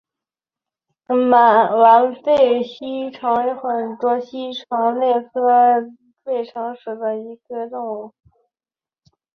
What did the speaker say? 完背鳞虫为多鳞虫科完背鳞虫属的动物。